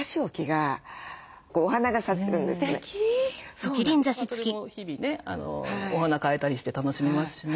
それも日々ねお花替えたりして楽しめますしね。